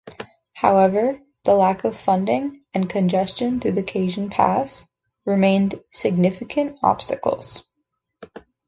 However lack of funding and congestion through the Cajon Pass remained significant obstacles.